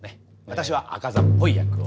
私は猗窩座っぽい役を。